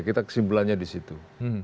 kita kesimpulannya di situ